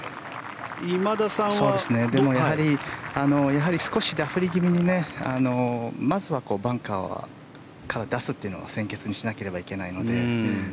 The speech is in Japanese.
でもやはり少しダフり気味にまず、バンカーから出すのを先決にしないといけないので。